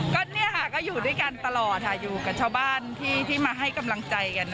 ก็อยู่ด้วยกันตลอดอยู่กับชาวบ้านที่มาให้กำลังใจกัน